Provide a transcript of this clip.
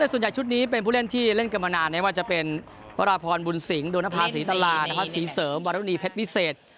ส่วนใหญ่ชุดนี้เป็นผู้เล่นที่เล่นกันมานานไม่ว่าจะเป็นวราพรบุญสิงห์โดนนภาษีตลานภาษีเสริมวารณีเพชรวิเศษ